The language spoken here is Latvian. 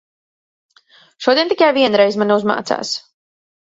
Šodien tikai vienreiz man uzmācās.